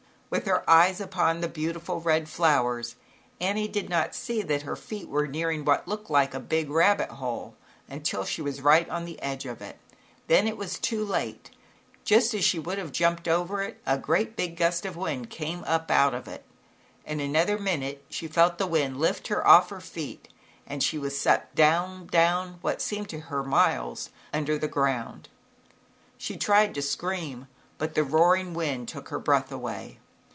With her eyes upon the beautiful red owers Annie did not see that her feet were nearing what looked like a big rabbit hole, until she was right on the edge of it, then it was too late. Just s she would have jumped over it, a j i reat big gust of wind came up out Kit In another minute, she felt the wind ift her off her feet, and she was sucked down, down, what seemed to her, miles, under the ground. ZAUBERLINDA, THE WISE WITCH. Ill She tried to scream, but the roaring wind took her breath away.